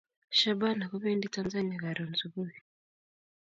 Shabana ko pendi tanzania karon subui